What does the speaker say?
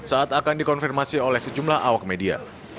saat akan dikonfirmasi oleh sejumlah awak media